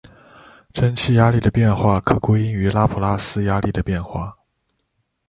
蒸气压力的变化可归因于拉普拉斯压力的变化。